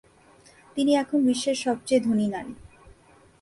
তিনি এখন বিশ্বের সবচেয়ে ধনী নারী।